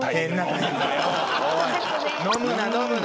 おい飲むな飲むな！